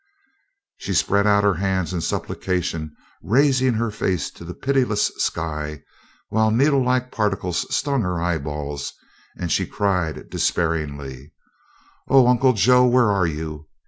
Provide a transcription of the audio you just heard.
She spread out her hands in supplication, raising her face to the pitiless sky while needlelike particles stung her eyeballs, and she cried despairingly: "Oh, Uncle Joe, where are you?